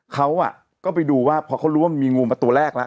เขาก็ไปดูว่าพอเขารู้ว่ามันมีงูมาตัวแรกแล้ว